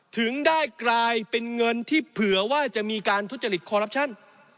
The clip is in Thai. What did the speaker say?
ถึงได้กลายเป็นเงินที่เผื่อว่าจะมีการทุจริตคอรัปชั่น